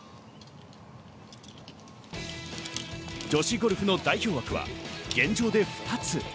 女子ゴルフの代表枠は現状で２つ。